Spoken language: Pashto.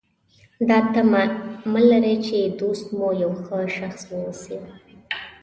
دا تمه مه لرئ چې دوست مو یو ښه شخص واوسي.